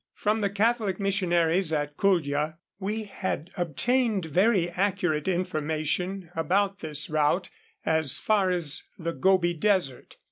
From the Catholic missionaries at Kuldja we had obtained very accurate information about this route as far as the Gobi desert.